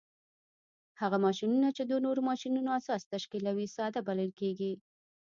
هغه ماشینونه چې د نورو ماشینونو اساس تشکیلوي ساده بلل کیږي.